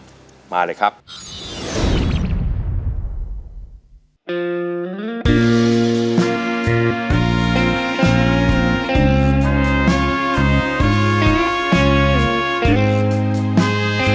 สวัสดีครับสวัสดีครับ